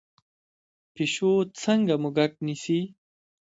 پیشو څنګه موږک نیسي؟